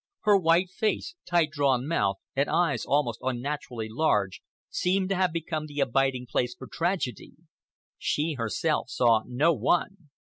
Her white face, tight drawn mouth, and eyes almost unnaturally large, seemed to have become the abiding place for tragedy. She herself saw no one.